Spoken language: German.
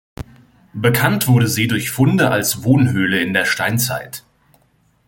Bekannt wurde sie durch Funde als Wohnhöhle in der Steinzeit.